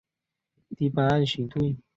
第八岸巡队